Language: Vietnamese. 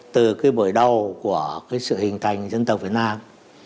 từ cái buổi đầu của cái sự hình thành dân tộc việt nam